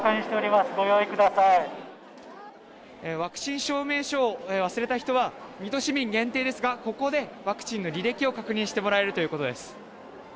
ワクチン証明書を忘れた人は水戸市民限定ですがここでワクチンの履歴を確認してもらえるということです。